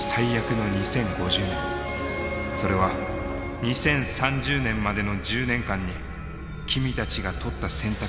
それは２０３０年までの１０年間に君たちがとった選択が招いた世界だ。